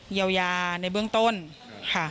เยียวยาในเบื้องต้นค่ะ